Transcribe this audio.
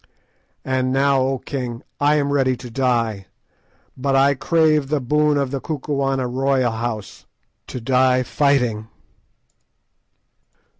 And now, O king! I am ready to die, but I crave the boon of the Kukuana royal House to die fighting.